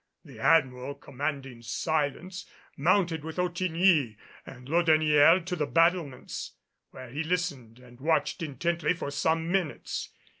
The Admiral commanding silence, mounted with Ottigny and Laudonnière to the battlements where he listened and watched intently for some minutes.